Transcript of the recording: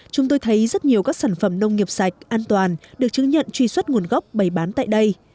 chúng tôi thấy rất nhiều các sản phẩm nông nghiệp sạch an toàn được chứng nhận truy xuất nguồn gốc bày bán tại đây